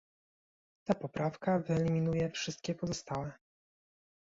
Ta poprawka wyeliminuje wszystkie pozostałe